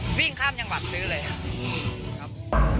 วิ่งข้ามจังหวัดซื้อเลยครับ